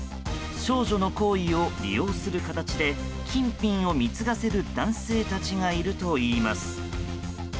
少女の好意を利用する形で金品を貢がせる男性たちがいるといいます。